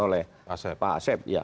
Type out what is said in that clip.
oleh pak asep